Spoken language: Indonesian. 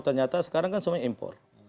ternyata sekarang kan semuanya impor